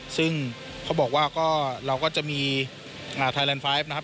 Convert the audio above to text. ซึ่งเขาบอกว่าก็เราก็จะมีไทยแลนด์ไฟฟ์นะครับ